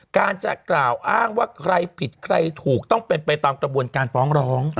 การจะกล่าวอ้างว่าใครผิดใครถูกต้องเป็นไปตามกระบวนการฟ้องร้อง